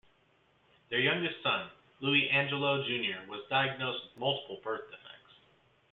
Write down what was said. Their youngest son, Louie Angelo Junior was diagnosed with multiple birth defects.